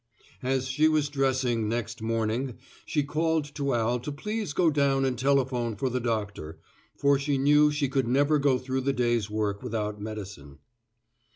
As she was dressing next morning she called to Al to please go down and telephone for the doctor, for she knew she could never go through the day's work without medicine.